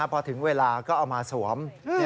พอถึงเวลาก็เอามาสวม